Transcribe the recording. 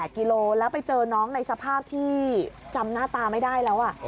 กิโลแล้วไปเจอน้องในสภาพที่จำหน้าตาไม่ได้แล้ว